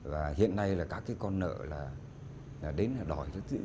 và hiện nay là các cái con nợ là đến là đòi chất dữ